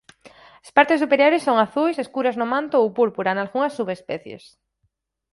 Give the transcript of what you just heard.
As partes superiores son azuis escuras no manto ou púrpura nalgunhas subespecies.